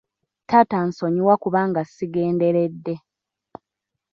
Taata nsonyiwa kubanga sigenderedde.